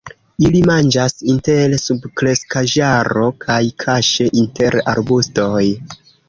Ili manĝas inter subkreskaĵaro kaj kaŝe inter arbustoj.